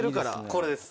これです。